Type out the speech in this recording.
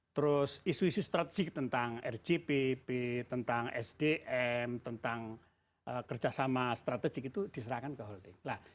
terus isu isu strategi tentang rgpp tentang sdm tentang kerjasama strategik itu diserahkan ke holding